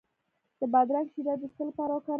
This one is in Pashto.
د بادرنګ شیره د څه لپاره وکاروم؟